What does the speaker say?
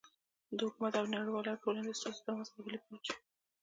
د حکومت او نړیوالې ټولنې استازو ترمنځ خبرې پیل شوې.